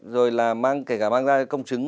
rồi là mang kể cả mang ra công chứng